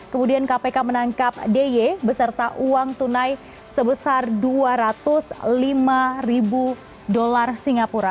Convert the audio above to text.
kemudian kpk menangkap dy beserta uang tunai sebesar dua ratus lima ribu dolar singapura